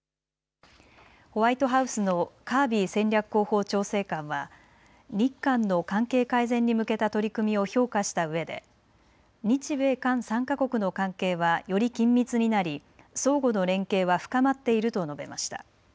ホワイトハウスのカービー戦略広報調整官は日韓の関係改善に向けた取り組みを評価したうえで日米韓３か国の関係はより緊密になり相互の連携は深まっていると述べました。